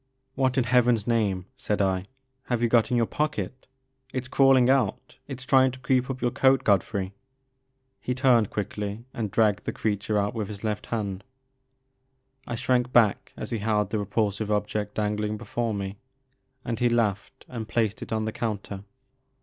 What in Heaven's name," said I, have you got in your pocket ? It *s crawling out — ^it 's trying to creep up your coat, Godfrey I " He turned quickly and dragged the creature out with his left hand. I shrank back as he held the repulsive object dangling before me, and he laughed and placed it on the counter.